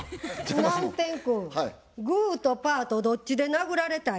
南天君グーとパーとどっちで殴られたい？